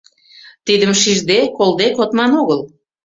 Тидым шижде, колде кодман огыл.